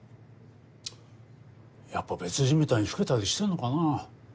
やっぱ別人みたいに老けたりしてんのかなぁ。